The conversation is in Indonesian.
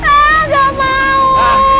ah gak mau